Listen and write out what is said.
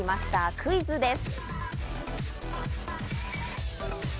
クイズです！